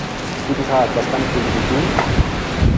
Guten Tag, was kann ich gegen Sie tun?